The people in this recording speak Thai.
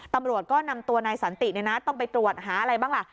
ตำรวจก็นำตัวนายสันติต้องไปตรวจหาอะไรบ้างล่ะ